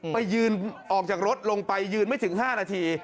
ไปยืนออกจากรถลงไปยืนไม่ถึง๕นาที